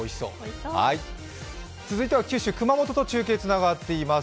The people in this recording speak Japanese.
続いては九州・熊本と中継つながっています。